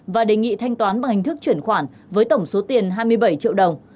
và đề nghị thanh toán bằng hình thức chuyển khoản với tổng số tiền hai mươi bảy triệu đồng